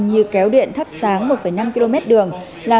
như kéo điện thắp sáng một năm km đường